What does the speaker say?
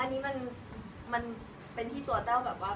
อันนี้มันเป็นที่ตัวแต้วแบบว่า